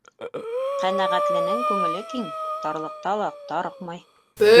Ҡәнәғәтленең күңеле киң, тарлыҡта ла тарыҡмай.